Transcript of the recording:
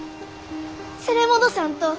連れ戻さんと！